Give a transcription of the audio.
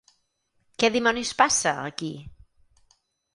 Què dimonis passa, aquí?